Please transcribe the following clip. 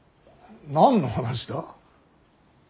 何の話だ。